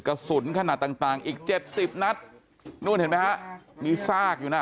กระสุนขนาดต่างต่างอีกเจ็ดสิบนัดนู่นเห็นไหมฮะมีซากอยู่น่ะ